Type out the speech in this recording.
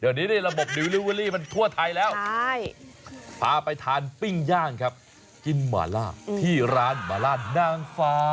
เดี๋ยวนี้ในระบบดิวลิเวอรี่มันทั่วไทยแล้วพาไปทานปิ้งย่างครับกินหมาล่าที่ร้านหมาล่านางฟ้า